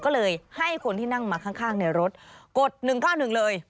ก็เลยให้คนที่นั่งมาข้างในรถกด๑๙๑เลย